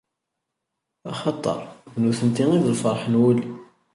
Axaṭer, d nutenti i d lferḥ n wul-iw.